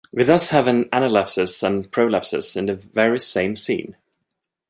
We thus have an analepsis and prolepsis in the very same scene.